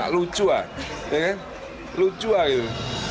lucu ah lucu ah gitu